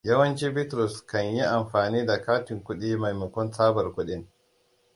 Yawanci Bitrusa kan yi amfani da katin kuɗi maimakon tsabar kuɗin.